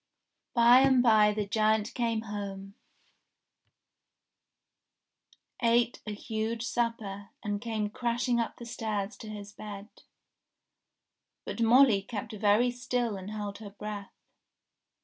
By and by the giant came home, ate a huge supper, and came crashing up the stairs to his bed. But Molly kept very still and held her breath.